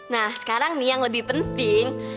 nah sekarang nih yang lebih penting